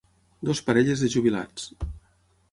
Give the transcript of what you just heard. Dues parelles de jubilats.